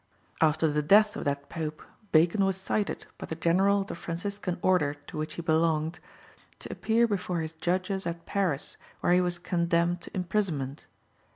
After the death of that Pope Bacon was cited by the General of the Franciscan order, to which he belonged, to appear before his judges at Paris, where he was condemned to imprisonment.